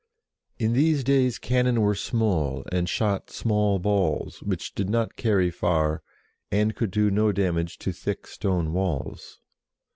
In these days cannon were small, and shot small balls, which did not carry far, and could do no damage to thick stone walls.